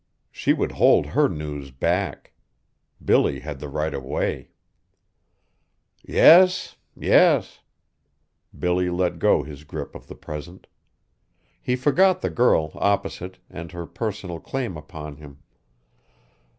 She would hold her news back. Billy had the right of way. "Yes, yes." Billy let go his grip of the present. He forgot the girl opposite, and her personal claim upon him.